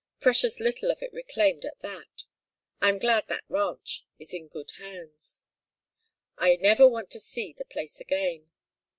Precious little of it reclaimed at that. I am glad that ranch is in good hands. I never want to see the place again.